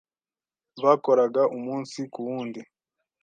Bakoraga umunsi ku wundi.